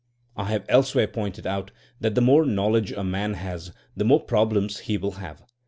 I have elsewhere pointed out that the more knowledge a man has the more problems he will have.